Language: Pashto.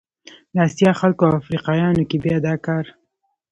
د اسیا خلکو او افریقایانو کې بیا دا کار